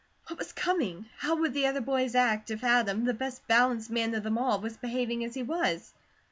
What was coming? How would the other boys act, if Adam, the best balanced man of them all, was behaving as he was?